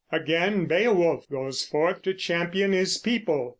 Again Beowulf goes forth to champion his people.